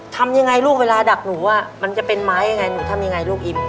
ทำยังไงลูกเวลาดักหนูมันจะเป็นไม้ยังไงหนูทำยังไงลูกอิม